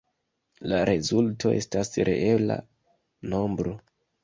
La rezulto estas reela nombro.